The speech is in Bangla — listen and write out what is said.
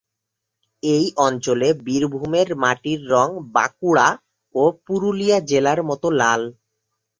এই অঞ্চলে বীরভূমের মাটির রং বাঁকুড়া ও পুরুলিয়া জেলার মতো লাল।